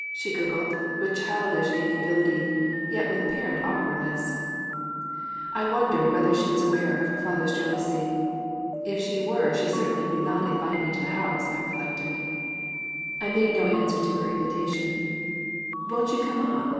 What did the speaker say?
she gurgled, with childish amiability, yet with apparent awkwardness I wondered whether she was aware of her father's jealousy. "If she were she certainly would not invite me to the house," I reflected I made no answer to her invitation "Won't you come up?"